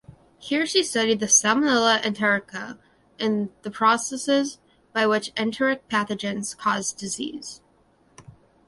Here she studied "Salmonella enterica" and the processes by which enteric pathogens cause disease.